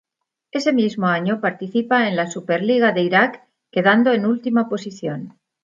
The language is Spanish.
Ese mismo año participa en la Super Liga de Irak, quedando en última posición.